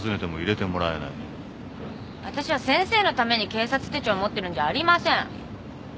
わたしは先生のために警察手帳持ってるんじゃありません。